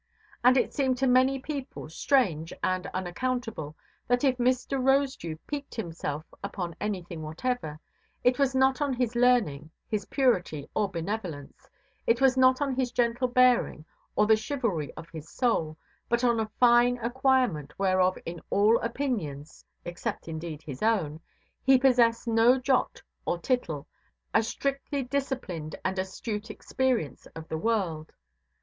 And it seemed to many people strange and unaccountable, that if Mr. Rosedew piqued himself upon anything whatever, it was not on his learning, his purity, or benevolence, it was not on his gentle bearing, or the chivalry of his soul, but on a fine acquirement, whereof in all opinions (except, indeed, his own) he possessed no jot or tittle—a strictly–disciplined and astute experience of the world.